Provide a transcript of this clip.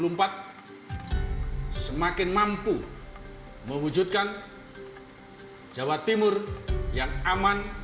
semoga diusia yang ke tujuh puluh empat semakin mampu mewujudkan jawa timur yang aman